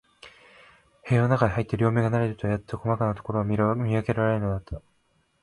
部屋のなかへ入って、両眼が慣れるとやっと、こまかなところが見わけられるのだった。